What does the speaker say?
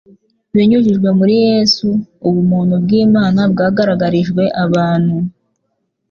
Binyujijwe muri Yesu, ubuntu bw'Imana bwagaragarijwe abantu;